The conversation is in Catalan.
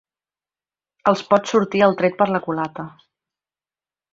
“Els pot sortir el tret per la culata”